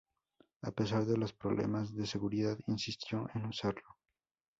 A pesar de los problemas de seguridad, insistió en usarlo.